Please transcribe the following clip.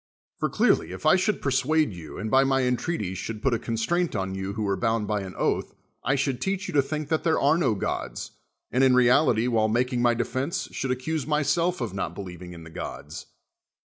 For clearly, if I should persuade you, and by my entreaties should put a constraint 76 J SOCRATES on you who are bound by an oath, I should teach you to think that there are no gods, and iu reality, while making my defense, should accuse myself of not believing in the gods.